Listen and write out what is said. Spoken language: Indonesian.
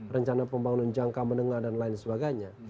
rencana pembangunan jangka menengah dan lain sebagainya